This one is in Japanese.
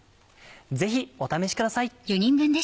ぜひお試しください。